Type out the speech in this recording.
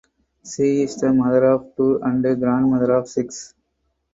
She is the mother of two and grandmother of six.